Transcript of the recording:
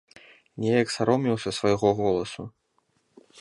Неяк саромеўся свайго голасу.